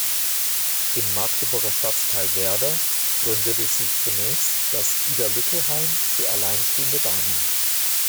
Im Magdeburger Stadtteil Werder gründete sie zunächst das "Ida-Lücke-Heim" für alleinstehende Damen.